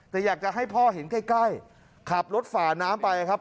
แต่อยากจะให้พ่อเห็นใกล้ขับรถฝ่าน้ำไปครับ